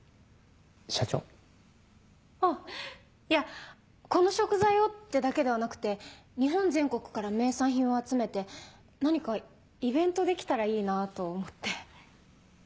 いやこの食材をってだけではなくて日本全国から名産品を集めて何かイベントできたらいいなと思って。